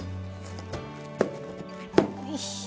よし！